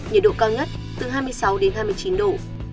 nhiệt độ cao nhất từ hai mươi sáu đến hai mươi chín độ